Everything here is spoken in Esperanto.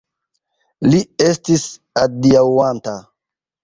Li estis adiaŭanta.